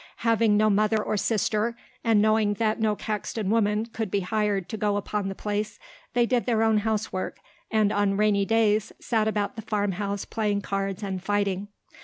Having no mother or sister, and knowing that no Caxton woman could be hired to go upon the place, they did their own housework; and on rainy days sat about the old farmhouse playing cards and fighting.